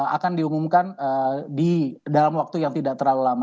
akan diumumkan di dalam waktu yang tidak terlalu lama